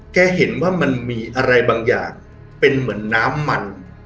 แกเห็นว่ามันมีอะไรบางอย่างเป็นเหมือนน้ำมัน